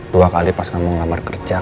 dua kali pas kamu gak mertipin aku